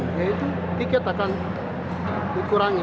yaitu tiket akan dikurangi